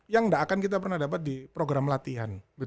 yang tidak akan kita pernah dapat di program latihan